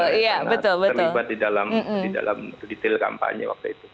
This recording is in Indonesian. karena terlibat di dalam detail kampanye waktu itu